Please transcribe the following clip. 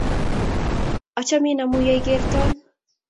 Achamin amun ye ikerton.